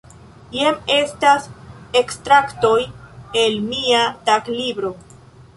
Jen estas ekstraktoj el mia taglibro.